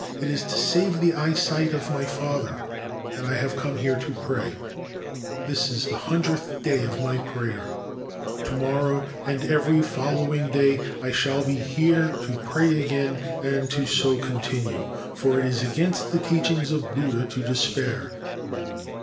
It is to save the eyesight of my father that I have come here to pray ; this is the hundredth day of my prayer. To morrow and every following day I shall be here to pray again, and so continue ; for it is against the teachings of Buddha to despair.'